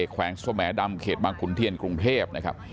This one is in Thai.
แขวงสมดำเขตบางขุนเทียนกรุงเทพนะครับ